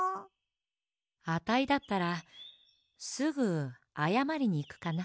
あたいだったらすぐあやまりにいくかな。